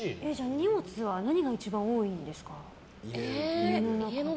荷物は何が一番多いんですか？